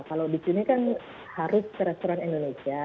kalau di sini kan harus ke restoran indonesia